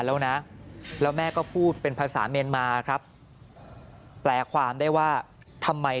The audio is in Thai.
แล้วนะแล้วแม่ก็พูดเป็นภาษาเมียนมาครับแปลความได้ว่าทำไม